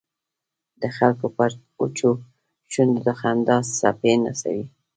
د خلکو پر وچو شونډو د خندا څپې نڅوي.